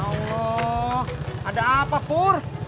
masya allah ada apa pur